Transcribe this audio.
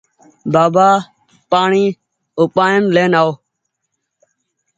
بآبآ پآڻيٚ اُپآڙين لين آئو